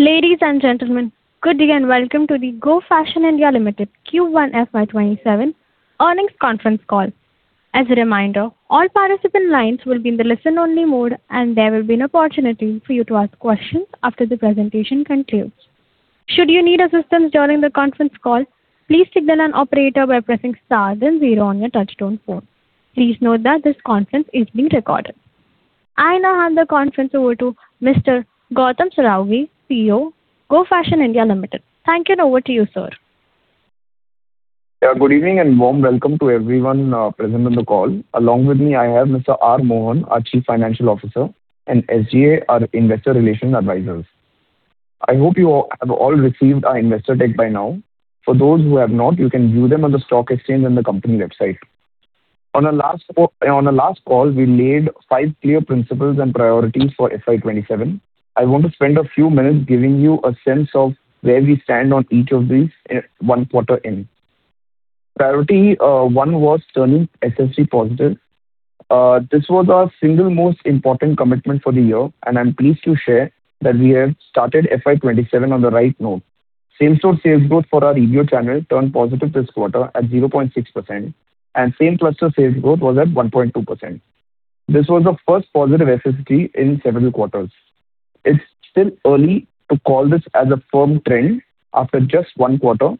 Ladies and gentlemen, good day and welcome to the Go Fashion (India) Limited Q1 FY 2027 earnings conference call. As a reminder, all participant lines will be in the listen only mode, and there will be an opportunity for you to ask questions after the presentation concludes. Should you need assistance during the conference call, please signal an operator by pressing star then zero on your touchtone phone. Please note that this conference is being recorded. I now hand the conference over to Mr. Gautam Saraogi, CEO, Go Fashion (India) Limited. Thank you, and over to you, sir. Yeah. Good evening, and warm welcome to everyone present on the call. Along with me, I have Mr. R. Mohan, our Chief Financial Officer and SGA, our investor relation advisors. I hope you have all received our investor deck by now. For those who have not, you can view them on the stock exchange and the company website. On our last call, we laid five clear principles and priorities for FY 2027. I want to spend a few minutes giving you a sense of where we stand on each of these one quarter in. Priority one was turning SSSG positive. This was our single most important commitment for the year, and I'm pleased to share that we have started FY 2027 on the right note. Same-store sales growth for our EBO channel turned positive this quarter at 0.6%, and same-cluster sales growth was at 1.2%. This was the first positive SSSG in several quarters. It's still early to call this as a firm trend after just one quarter,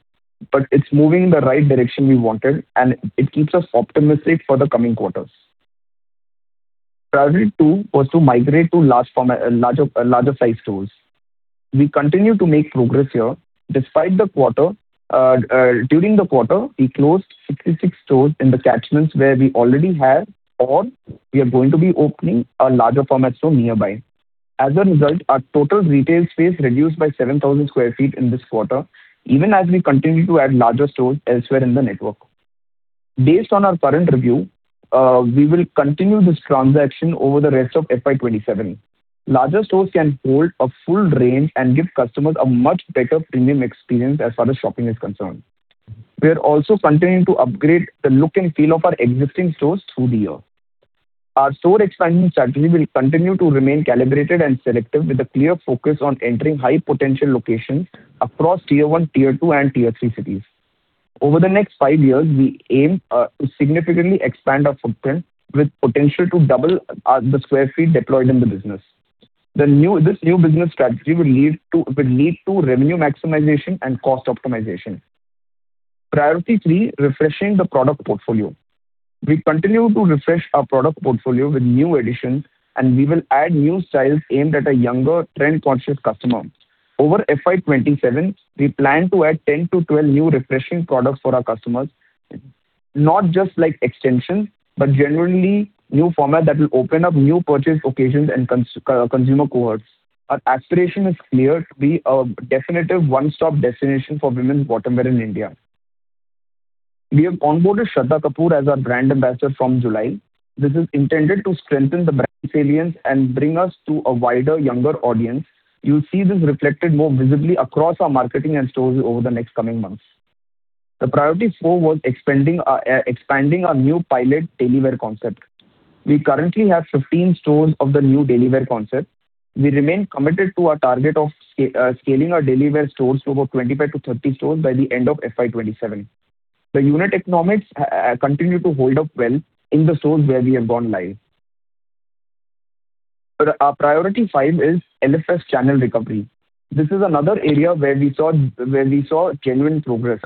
but it's moving in the right direction we wanted, and it keeps us optimistic for the coming quarters. Priority two was to migrate to larger size stores. We continue to make progress here despite the quarter. During the quarter, we closed 66 stores in the catchments where we already have, or we are going to be opening a larger format store nearby. As a result, our total retail space reduced by 7,000 sq ft in this quarter, even as we continue to add larger stores elsewhere in the network. Based on our current review, we will continue this transaction over the rest of FY 2027. Larger stores can hold a full range and give customers a much better premium experience as far as shopping is concerned. We are also continuing to upgrade the look and feel of our existing stores through the year. Our store expansion strategy will continue to remain calibrated and selective, with a clear focus on entering high potential locations across Tier 1, Tier 2, and Tier 3 cities. Over the next five years, we aim to significantly expand our footprint with potential to double the square feet deployed in the business. This new business strategy will lead to revenue maximization and cost optimization. Priority three, refreshing the product portfolio. We continue to refresh our product portfolio with new additions, and we will add new styles aimed at a younger trend-conscious customer. Over FY 2027, we plan to add 10-12 new refreshing products for our customers. Not just like extensions, but generally new format that will open up new purchase occasions and consumer cohorts. Our aspiration is clear to be a definitive one-stop destination for women's bottom wear in India. We have onboarded Shraddha Kapoor as our brand ambassador from July. This is intended to strengthen the brand salience and bring us to a wider, younger audience. You'll see this reflected more visibly across our marketing and stores over the next coming months. The priority four was expanding our new pilot daily wear concept. We currently have 15 stores of the new daily wear concept. We remain committed to our target of scaling our daily wear stores to about 25-30 stores by the end of FY 2027. The unit economics continue to hold up well in the stores where we have gone live. Our priority five is LFS channel recovery. This is another area where we saw genuine progress.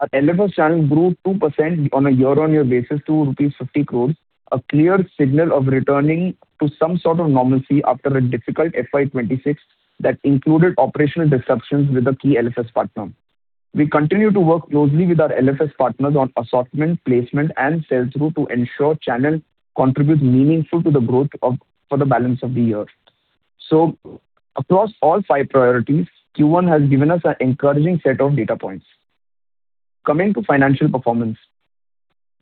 Our LFS channel grew 2% on a year-on-year basis to rupees 50 crore, a clear signal of returning to some sort of normalcy after a difficult FY 2026 that included operational disruptions with a key LFS partner. We continue to work closely with our LFS partners on assortment, placement, and sell-through to ensure channel contributes meaningful to the growth for the balance of the year. Across all five priorities, Q1 has given us an encouraging set of data points. Coming to financial performance,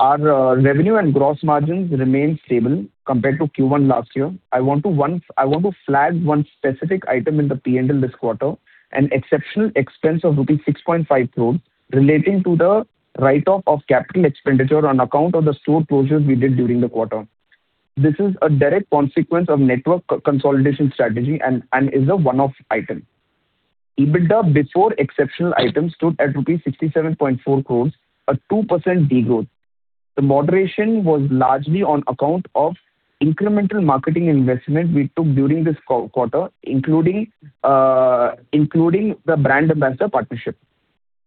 our revenue and gross margins remain stable compared to Q1 last year. I want to flag one specific item in the P&L this quarter, an exceptional expense of rupees 6.5 crore relating to the write-off of capital expenditure on account of the store closures we did during the quarter. This is a direct consequence of network consolidation strategy and is a one-off item. EBITDA before exceptional items stood at rupees 67.4 crore, a 2% degrowth. The moderation was largely on account of incremental marketing investment we took during this quarter, including the brand ambassador partnership.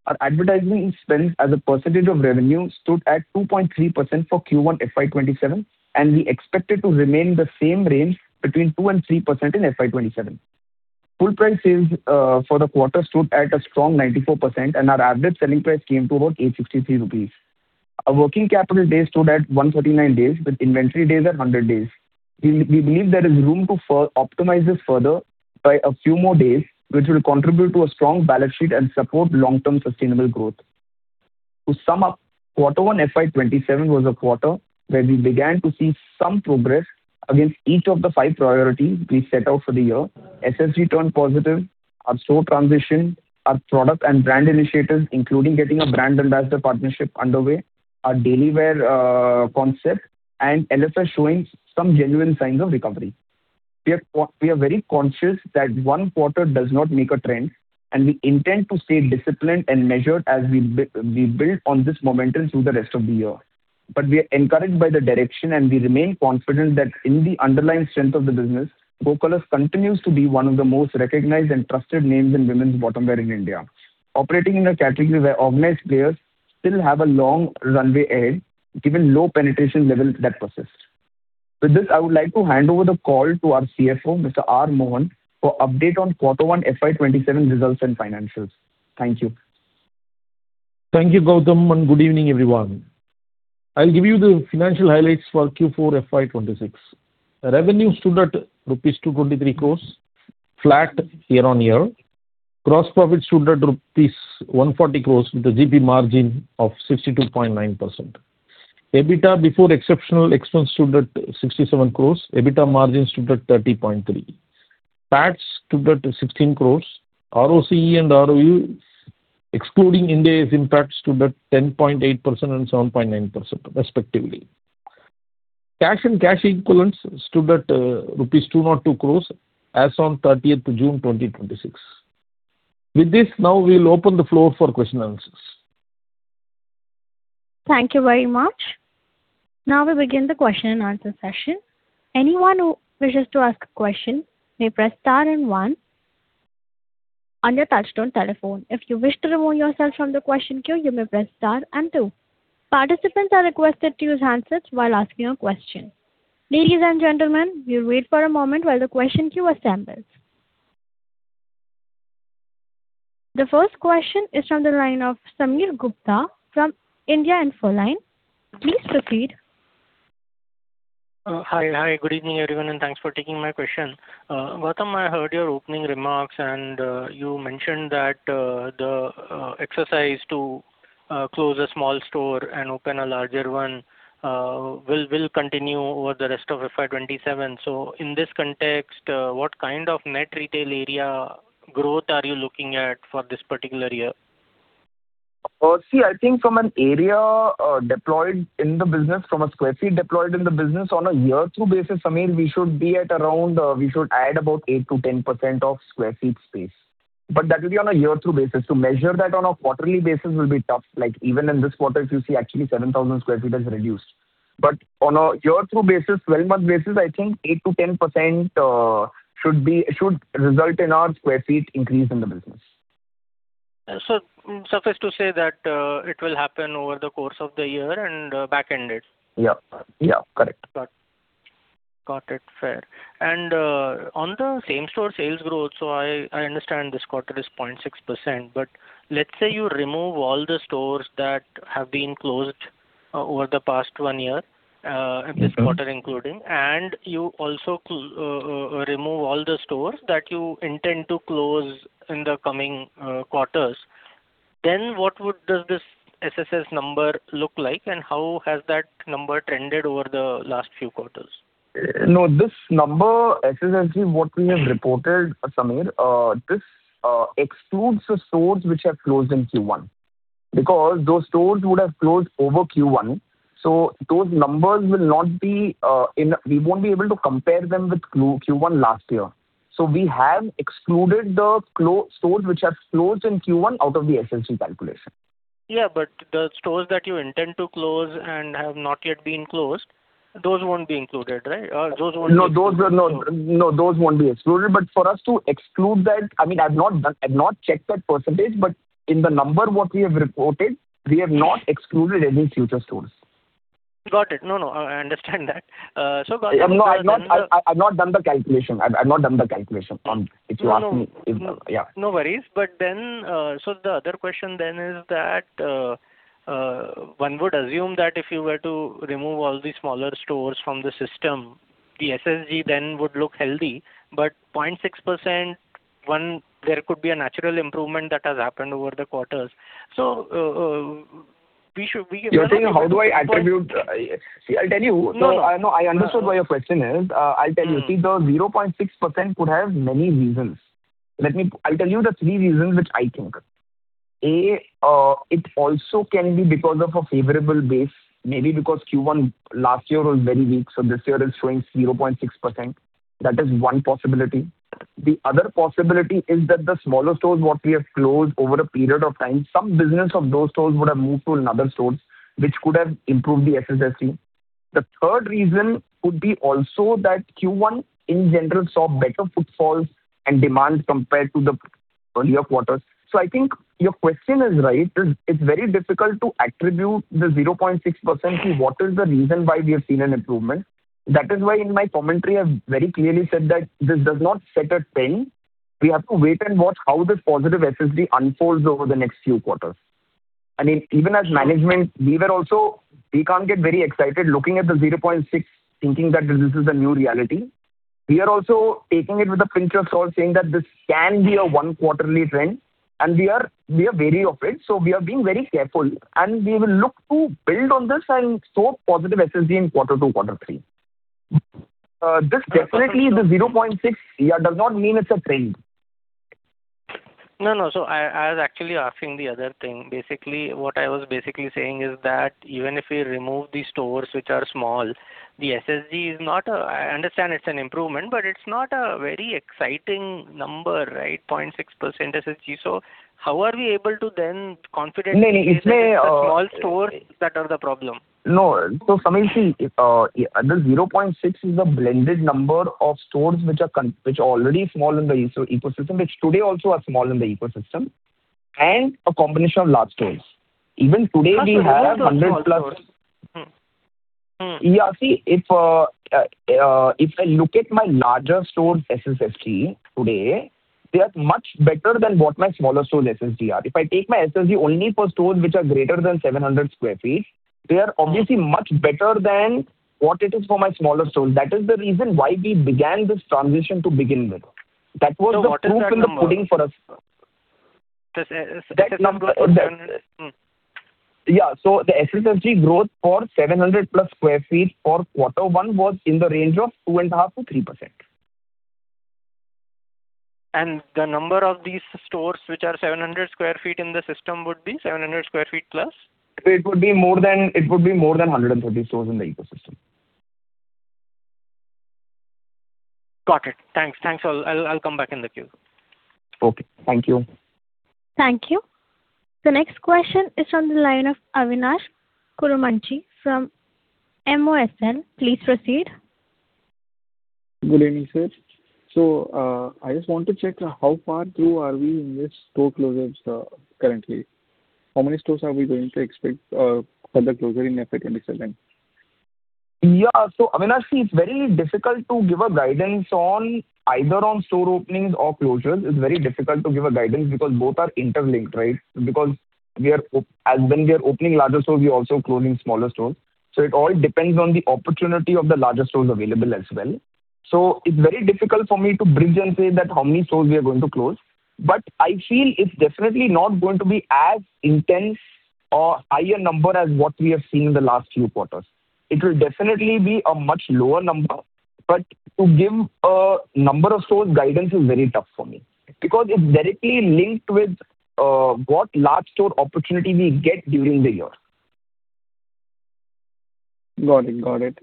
Our advertising expense as a percentage of revenue stood at 2.3% for Q1 FY 2027, and we expect it to remain the same range between 2%-3% in FY 2027. Full price sales for the quarter stood at a strong 94%, and our average selling price came to about 863 rupees. Our working capital days stood at 139 days, with inventory days at 100 days. We believe there is room to optimize this further by a few more days, which will contribute to a strong balance sheet and support long-term sustainable growth. To sum up, quarter one FY 2027 was a quarter where we began to see some progress against each of the five priorities we set out for the year. SSSG turned positive. Our store transition, our product and brand initiatives, including getting a brand ambassador partnership underway, our daily wear concept, and LFS showing some genuine signs of recovery. We are very conscious that one quarter does not make a trend, and we intend to stay disciplined and measured as we build on this momentum through the rest of the year. We are encouraged by the direction, and we remain confident that in the underlying strength of the business, Go Colors continues to be one of the most recognized and trusted names in women's bottom wear in India, operating in a category where organized players still have a long runway ahead, given low penetration levels that persist. With this, I would like to hand over the call to our CFO, Mr. R. Mohan, for update on quarter one FY 2027 results and financials. Thank you. Thank you, Gautam, and good evening, everyone. I'll give you the financial highlights for Q4 FY 2026. Revenue stood at rupees 223 crore, flat year-over-year. Gross profit stood at rupees 140 crore, with a GP margin of 62.9%. EBITDA before exceptional expense stood at 67 crore. EBITDA margin stood at 30.3%. PAT stood at 16 crore. ROCE and ROE, excluding Ind AS impact, stood at 10.8% and 7.9% respectively. Cash and cash equivalents stood at 202 crore rupees as on June 30th, 2026. With this, now we'll open the floor for question and answers. Thank you very much. Now we begin the question and answer session. Anyone who wishes to ask a question may press star and one on your touch-tone telephone. If you wish to remove yourself from the question queue, you may press star and two. Participants are requested to use handsets while asking a question. Ladies and gentlemen, we'll wait for a moment while the question queue assembles. The first question is from the line of Sameer Gupta from India Infoline. Please proceed. Hi. Good evening, everyone. Thanks for taking my question. Gautam, you mentioned that the exercise to close a small store and open a larger one will continue over the rest of FY 2027. In this context, what kind of net retail area growth are you looking at for this particular year? See, I think from an area deployed in the business, from a square feet deployed in the business on a year two basis, Sameer, we should add about 8%-10% of square feet space, that will be on a year two basis. To measure that on a quarterly basis will be tough. Even in this quarter, if you see actually 7,000 sq ft has reduced. On a year two basis, 12-month basis, I think 8%-10% should result in our square feet increase in the business. Suffice to say that it will happen over the course of the year and back-ended. Yeah. Correct. Got it. Fair. On the same-store sales growth, I understand this quarter is 0.6%, but let's say you remove all the stores that have been closed over the past one year, this quarter including, and you also remove all the stores that you intend to close in the coming quarters, then what does this SSS number look like, and how has that number trended over the last few quarters? This number, SSS, what we have reported, Sameer, this excludes the stores which have closed in Q1 because those stores would have closed over Q1, so we won't be able to compare them with Q1 last year. We have excluded the stores which have closed in Q1 out of the SSS calculation. Yeah, the stores that you intend to close and have not yet been closed, those won’t be included, right? No, those won’t be excluded. For us to exclude that, I’ve not checked that percentage, but in the number what we have reported, we have not excluded any future stores. Got it. No, I understand that. I’ve not done the calculation on, if you ask me. Yeah. No worries. The other question is that, one would assume that if you were to remove all the smaller stores from the system, the SSSG then would look healthy. 0.6%, one, there could be a natural improvement that has happened over the quarters. You're saying how do I attribute. I'll tell you. I understand why your question is. I'll tell you. The 0.6% could have many reasons. I'll tell you the three reasons which I think. A, it also can be because of a favorable base, maybe because Q1 last year was very weak, so this year is showing 0.6%. That is one possibility. The other possibility is that the smaller stores what we have closed over a period of time, some business of those stores would have moved to another stores, which could have improved the SCSG. The third reason could be also that Q1 in general saw better footfalls and demand compared to the earlier quarters. I think your question is right. It's very difficult to attribute the 0.6% to what is the reason why we have seen an improvement. That is why in my commentary, I've very clearly said that this does not set a trend. We have to wait and watch how this positive SSSG unfolds over the next few quarters. Even as management, we can't get very excited looking at the 0.6% thinking that this is a new reality. We are also taking it with a pinch of salt saying that this can be a one quarterly trend, and we are wary of it. We are being very careful, and we will look to build on this and show positive SSSG in quarter two, quarter three. This definitely, the 0.6%, does not mean it's a trend. I was actually asking the other thing. What I was basically saying is that even if we remove the stores which are small, I understand it's an improvement, but it's not a very exciting number, 0.6% SSSG. How are we able to confidently say that it's the small stores that are the problem? No. Sameer, see, the 0.6% is a blended number of stores which are already small in the ecosystem, which today also are small in the ecosystem, and a combination of large stores. Even today we have 100+. If I look at my larger stores SSSG today, they are much better than what my smaller stores SSSG are. If I take my SSSG only for stores which are greater than 700 sq ft, they are obviously much better than what it is for my smaller stores. That is the reason why we began this transition to begin with. That was the proof in the pudding for us. This number. The SCSG growth for 700+ sq ft for quarter one was in the range of 2.5%-3%. The number of these stores which are 700 sq ft in the system would be 700+ sq ft? It would be more than 130 stores in the ecosystem. Got it. Thanks. I'll come back in the queue. Okay. Thank you. Thank you. The next question is on the line of Avinash Karumanchi from MOSL. Please proceed. Good evening, sir. I just want to check how far through are we in this store closures currently. How many stores are we going to expect further closure in FY 2027? Avinash, see, it's very difficult to give a guidance either on store openings or closures. It's very difficult to give a guidance because both are interlinked. When we are opening larger stores, we're also closing smaller stores. It all depends on the opportunity of the larger stores available as well. It's very difficult for me to bridge and say that how many stores we are going to close. I feel it's definitely not going to be as intense or higher number as what we have seen in the last few quarters. It will definitely be a much lower number. To give a number of stores guidance is very tough for me because it's directly linked with what large store opportunity we get during the year. Got it.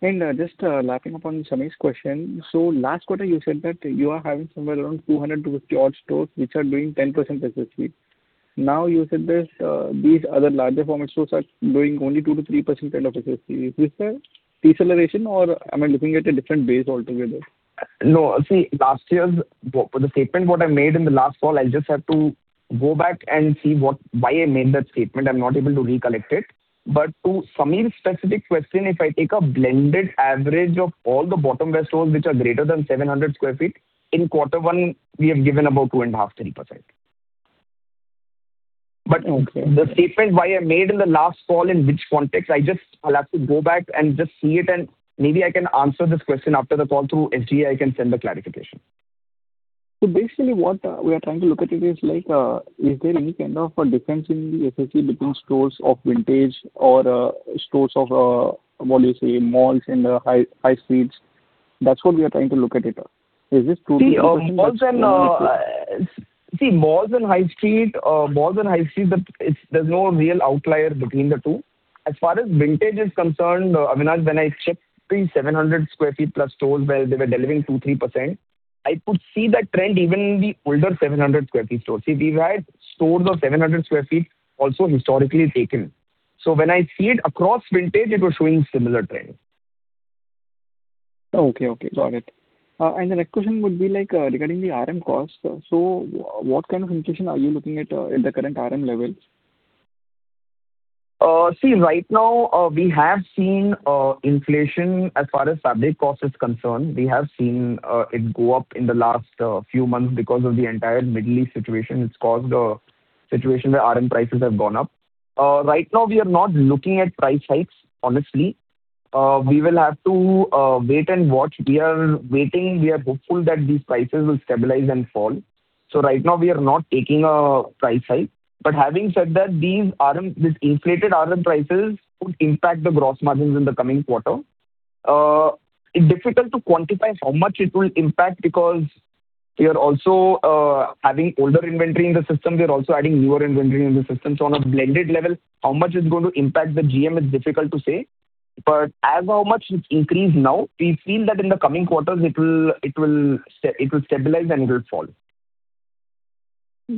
Just lapping upon Sameer's question. Last quarter you said that you are having somewhere around 250 odd stores which are doing 10% SSSG. Now you said these other larger format stores are doing only 2%-3% kind of SSSG. Is this a deceleration or am I looking at a different base altogether? No. See, the statement what I made in the last call, I'll just have to go back and see why I made that statement. I'm not able to recollect it. To Sameer's specific question, if I take a blended average of all the bottom-wear stores which are greater than 700 sq ft, in quarter one we have given about 2.5%, 3%. Okay. The statement why I made in the last call in which context, I'll have to go back and just see it and maybe I can answer this question after the call through SGA, I can send the clarification. Basically what we are trying to look at it is like, is there any kind of a difference in the SSSG between stores of vintage or stores of malls in the high streets? That's what we are trying to look at it. Is this true? See, malls and high street, there's no real outlier between the two. As far as vintage is concerned, Avinash, when I checked the 700+ sq ft stores where they were delivering 2%, 3% I could see that trend even in the older 700 sq ft stores. See, we've had stores of 700 sq ft also historically taken. When I see it across vintage, it was showing similar trends. Okay. Got it. The next question would be regarding the RM cost. What kind of inflation are you looking at at the current RM levels? Right now we have seen inflation as far as fabric cost is concerned. We have seen it go up in the last few months because of the entire Middle East situation. It's caused a situation where RM prices have gone up. Right now we are not looking at price hikes, honestly. We will have to wait and watch. We are waiting. We are hopeful that these prices will stabilize and fall. Right now we are not taking a price hike. Having said that, these inflated RM prices could impact the gross margins in the coming quarter. It's difficult to quantify how much it will impact because we are also adding older inventory in the system. We are also adding newer inventory in the system. On a blended level, how much it's going to impact the GM, it's difficult to say. As how much it's increased now, we feel that in the coming quarters it will stabilize and it will fall.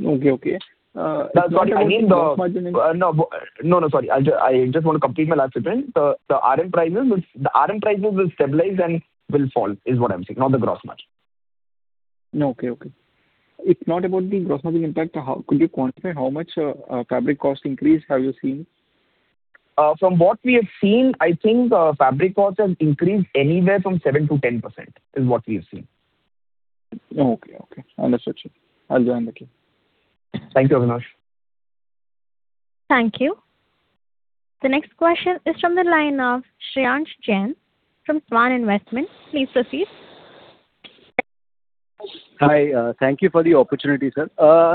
Okay. Sorry, I mean. Gross margin. No, sorry. I just want to complete my last statement. The RM prices will stabilize and will fall, is what I'm saying, not the gross margin. Okay. It's not about the gross margin impact. Could you quantify how much fabric cost increase have you seen? From what we have seen, I think fabric costs have increased anywhere from 7%-10%, is what we've seen. Okay. Understood, sir. I'll join the queue. Thank you, Avinash. Thank you. The next question is from the line of Shreyansh Jain from Swan Investment. Please proceed. Hi. Thank you for the opportunity, sir.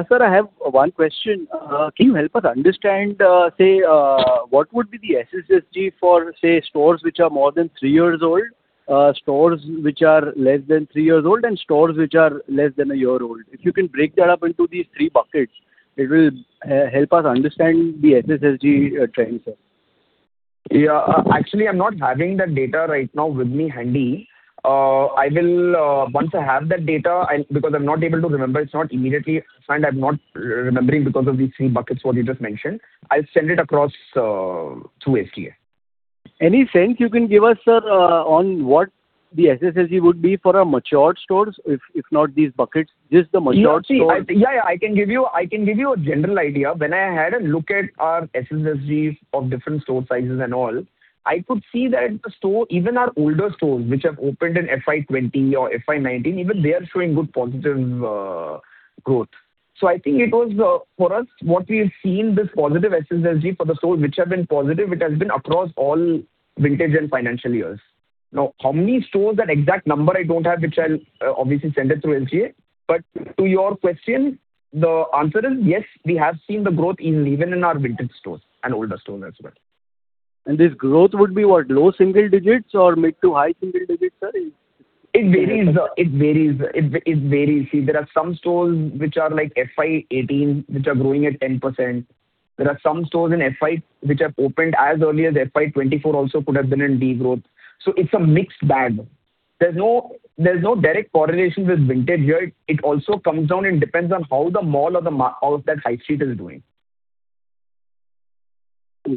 Sir, I have one question. Can you help us understand, say, what would be the SSSG for, say, stores which are more than three years old, stores which are less than three years old, and stores which are less than a year old? If you can break that up into these three buckets, it will help us understand the SSSG trend, sir. Yeah, actually, I'm not having that data right now with me handy. Once I have that data, because I'm not able to remember, it's not immediately, and I'm not remembering because of these three buckets what you just mentioned. I'll send it across to SGA. Any sense you can give us, sir, on what the SSSG would be for our matured stores, if not these buckets, just the matured stores? Yeah, I can give you a general idea. When I had a look at our SSSGs of different store sizes and all, I could see that even our older stores, which have opened in FY 2020 or FY 2019, even they are showing good positive growth. I think it was, for us, what we've seen, this positive SSSG for the stores which have been positive, it has been across all vintage and financial years. Now, how many stores and exact number I don't have, which I'll obviously send it through SGA. To your question, the answer is yes, we have seen the growth even in our vintage stores and older stores as well. This growth would be what? Low single digits or mid to high single-digits, sir? It varies. There are some stores which are like FY 2018, which are growing at 10%. There are some stores which have opened as early as FY 2024, also could have been in degrowth. It's a mixed bag. There's no direct correlation with vintage here. It also comes down and depends on how the mall or that high street is doing.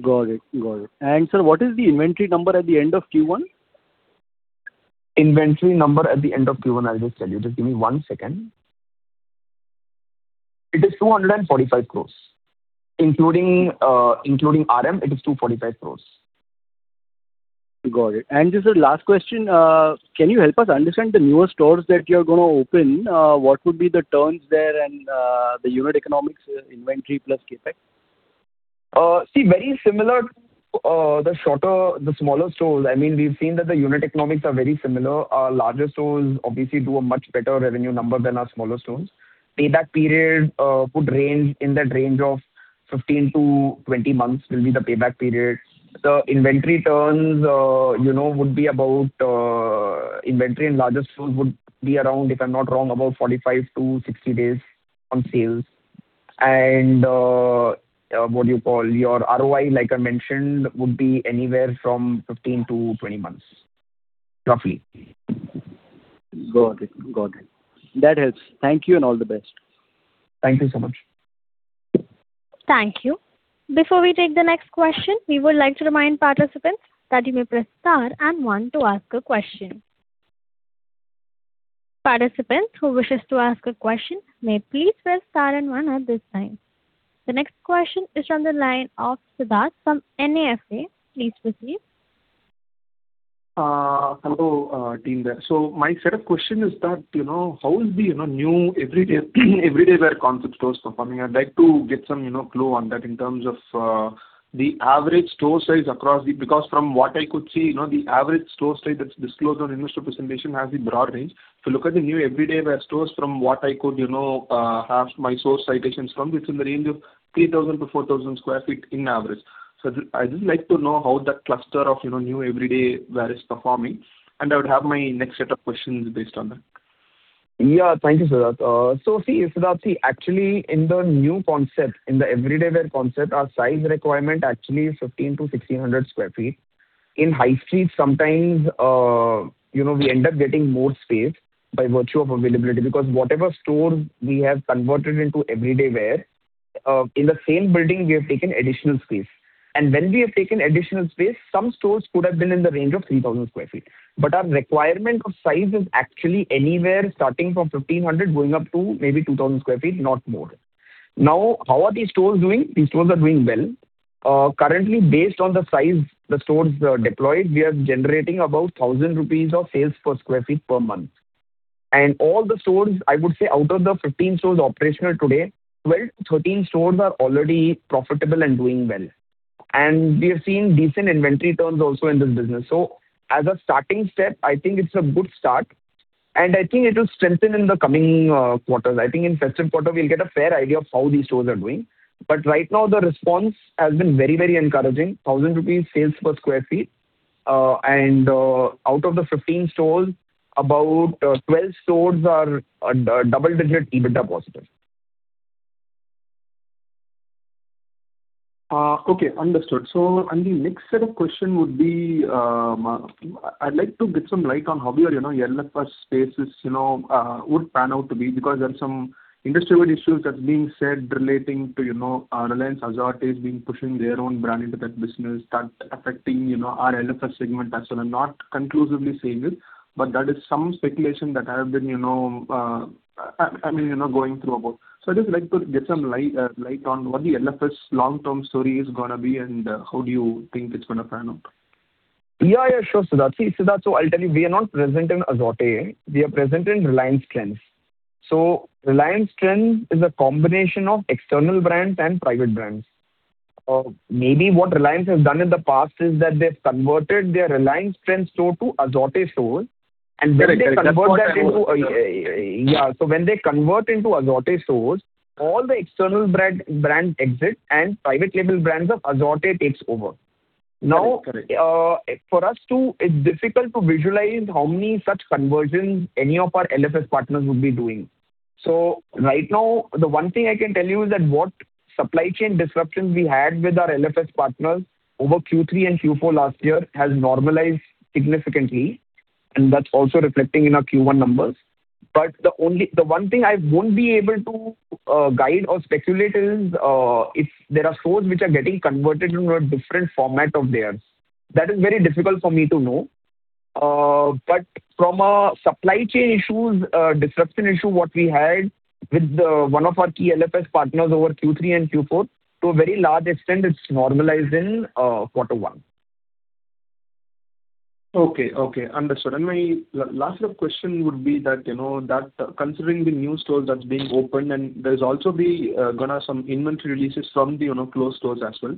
Got it. Sir, what is the inventory number at the end of Q1? Inventory number at the end of Q1, I'll just tell you. Just give me one second. It is 245 crore. Including RM, it is 245 crore. Got it. Just a last question. Can you help us understand the newer stores that you're going to open? What would be the turns there and the unit economics, inventory plus CapEx? Very similar to the smaller stores. We've seen that the unit economics are very similar. Our larger stores obviously do a much better revenue number than our smaller stores. Payback period could range in that range of 15-20 months will be the payback period. The inventory turns in larger stores would be around, if I'm not wrong, about 45-60 days on sales. What do you call, your ROI, like I mentioned, would be anywhere from 15-20 months, roughly. Got it. That helps. Thank you and all the best. Thank you so much. Thank you. Before we take the next question, we would like to remind participants that you may press star and one to ask a question. Participants who wishes to ask a question may please press star and one at this time. The next question is from the line of [Sudhar] from [NAFC]. Please proceed. Hello, team there. My set of question is that, how is the new Everyday Wear concept stores performing? I would like to get some clue on that in terms of the average store size across, because from what I could see, the average store size that is disclosed on investor presentation has a broad range. If you look at the new Everyday Wear stores from what I could have my source citations from, it is in the range of 3,000 sq ft-4,000 sq ft in average. I would just like to know how that cluster of new Everyday Wear is performing, and I would have my next set of questions based on that. Thank you, [Sudhar]. See, actually in the new concept, in the Everyday Wear concept, our size requirement actually is 1,500 sq ft-1,600 sq ft. In high street, sometimes we end up getting more space by virtue of availability because whatever store we have converted into everyday wear, in the same building, we have taken additional space. When we have taken additional space, some stores could have been in the range of 3,000 sq ft. Our requirement of size is actually anywhere starting from 1,500 sq ft going up to maybe 2,000 sq ft, not more. How are these stores doing? These stores are doing well. Currently, based on the size the stores are deployed, we are generating about 1,000 rupees of sales per square feet per month. All the stores, I would say out of the 15 stores operational today, 12-13 stores are already profitable and doing well. We have seen decent inventory turns also in this business. As a starting step, I think it is a good start, and I think it will strengthen in the coming quarters. I think in festive quarter we will get a fair idea of how these stores are doing. Right now the response has been very encouraging. 1,000 rupees sales per square feet, and out of the 15 stores, about 12 stores are double-digit EBITDA positive. Okay, understood. The next set of question would be, I would like to get some light on how your LFS spaces would pan out to be because there are some industry-wide issues that is being said relating to Reliance AZORTE is being pushing their own brand into that business that is affecting our LFS segment as well. Not conclusively saying it, that is some speculation that I have been going through about. I would just like to get some light on what the LFS long-term story is going to be, and how do you think it is going to pan out? [Sudhar], I'll tell you, we are not present in AZORTE, we are present in Reliance Trends. Reliance Trends is a combination of external brands and private brands. Maybe what Reliance has done in the past is that they've converted their Reliance Trends store to AZORTE stores. When they convert that into AZORTE stores, all the external brand exits and private label brands of AZORTE takes over. Correct. For us too, it's difficult to visualize how many such conversions any of our LFS partners would be doing. Right now, the one thing I can tell you is that what supply chain disruptions we had with our LFS partners over Q3 and Q4 last year has normalized significantly, and that's also reflecting in our Q1 numbers. The one thing I won't be able to guide or speculate is if there are stores which are getting converted into a different format of theirs. That is very difficult for me to know. From a supply chain issues, disruption issue what we had with one of our key LFS partners over Q3 and Q4, to a very large extent, it's normalized in quarter one. Okay. Understood. My last set of question would be that, considering the new stores that's being opened, and there's also going to be some inventory releases from the closed stores as well.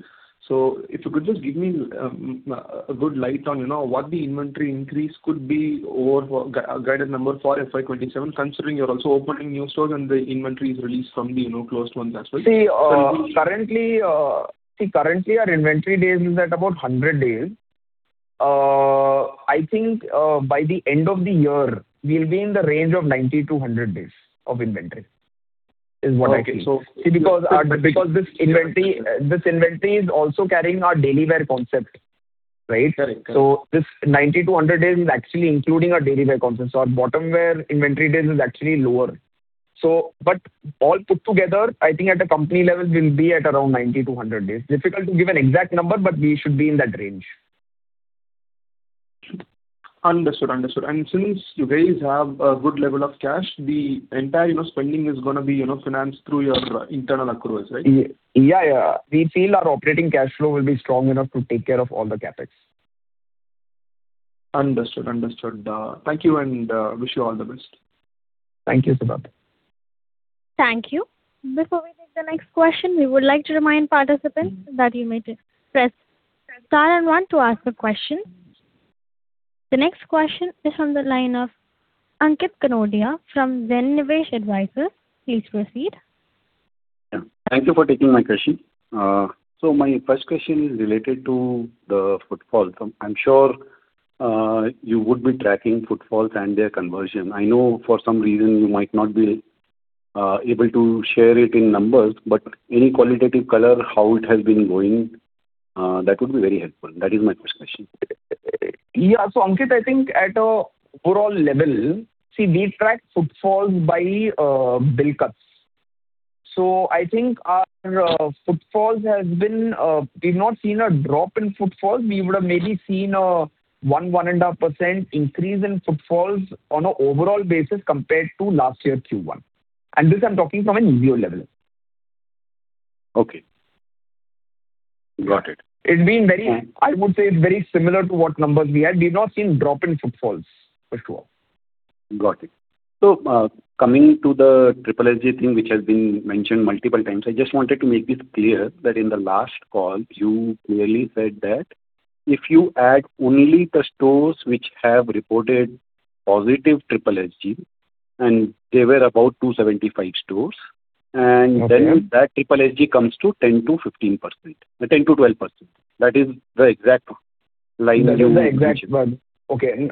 If you could just give me a good light on what the inventory increase could be over guidance number for FY 2027, considering you're also opening new stores and the inventory is released from the closed ones as well. Currently our inventory days is at about 100 days. I think by the end of the year, we'll be in the range of 90-100 days of inventory, is what I feel. Okay. See, this inventory is also carrying our daily wear concept. Right? Correct. This 90-100 days is actually including our daily wear concept. Our bottom wear inventory days is actually lower. All put together, I think at a company level, we'll be at around 90-100 days. Difficult to give an exact number, but we should be in that range. Understood. Since you guys have a good level of cash, the entire spending is going to be financed through your internal accruals, right? Yeah. We feel our operating cash flow will be strong enough to take care of all the CapEx. Understood. Thank you and wish you all the best. Thank you, [Sudhar]. Thank you. Before we take the next question, we would like to remind participants that you may press star and one to ask a question. The next question is on the line of Ankit Kanodia from Zen Nivesh Advisors. Please proceed. Yeah. Thank you for taking my question. My first question is related to the footfalls. I'm sure you would be tracking footfalls and their conversion. I know for some reason you might not be able to share it in numbers, but any qualitative color, how it has been going, that would be very helpful. That is my first question. Yeah. Ankit, I think at an overall level, see, we track footfalls by bill cuts. I think our footfalls we've not seen a drop in footfalls. We would've maybe seen a 1%-1.5% increase in footfalls on an overall basis compared to last year Q1. This, I'm talking from an EBO level. Okay. Got it. I would say it's very similar to what numbers we had. We've not seen drop in footfalls at all. Got it. Coming to the SSSG thing, which has been mentioned multiple times. I just wanted to make this clear that in the last call you clearly said that if you add only the stores which have reported positive SSSG, they were about 275 stores, that SSSG comes to 10%-12%. That is the exact line That is the exact one. Okay.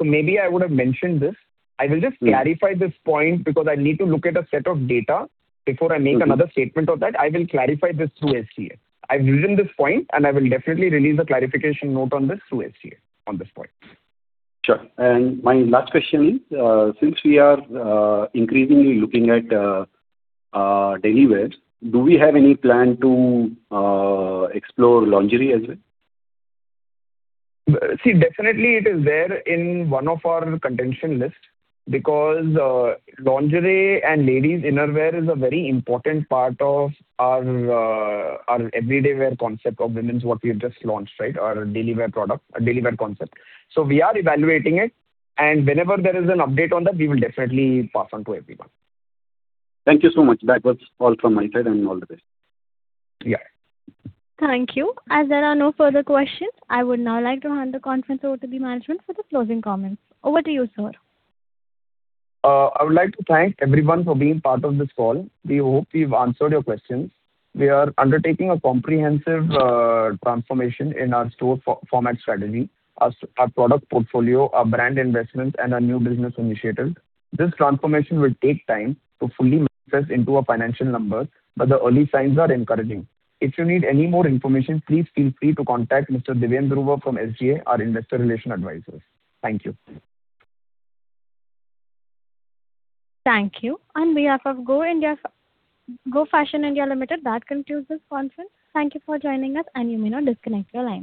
Maybe I would have mentioned this. I will just clarify this point because I need to look at a set of data before I make another statement of that. I will clarify this through SGA. I've written this point, and I will definitely release a clarification note on this through SGA on this point. Sure. My last question is, since we are increasingly looking at daily wears, do we have any plan to explore lingerie as well? Definitely it is there in one of our contention list because lingerie and ladies' innerwear is a very important part of our everyday wear concept of women's what we have just launched. Our daily wear concept. We are evaluating it, and whenever there is an update on that, we will definitely pass on to everyone. Thank you so much. That was all from my side, and all the best. Yeah. Thank you. As there are no further questions, I would now like to hand the conference over to the management for the closing comments. Over to you, sir. I would like to thank everyone for being part of this call. We hope we've answered your questions. We are undertaking a comprehensive transformation in our store format strategy, our product portfolio, our brand investments, and our new business initiatives. This transformation will take time to fully manifest into our financial numbers, but the early signs are encouraging. If you need any more information, please feel free to contact Mr. Deven Dhruva from SGA, our investor relation advisors. Thank you. Thank you. On behalf of Go Fashion (India) Limited, that concludes this conference. Thank you for joining us, and you may now disconnect your lines.